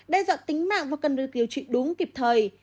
đe dọa tính mạng và cần được điều trị đúng kịp thời